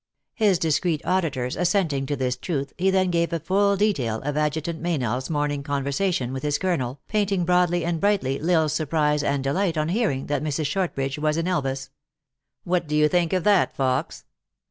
His discreet auditors assenting to this truth, he then gave a full detail of Adjutant Meynell s morning 74 THE ACTRESS IN HIGH LIFE. conversation with his colonel, painting broadly and brightly L Isle s surprise and delight on hearing that Mrs. Shortridge was in Elvas. " What do you think of that, Fox